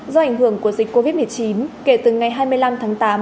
do ảnh hưởng của dịch covid một mươi chín kể từ ngày hai mươi năm tháng tám